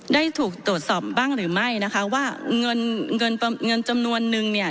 ได้ถูกตรวจสอบบ้างหรือไม่นะคะว่าเงินเงินจำนวนนึงเนี่ย